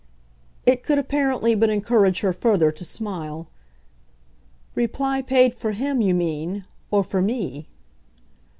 It could apparently but encourage her further to smile. "Reply paid for him, you mean or for me?"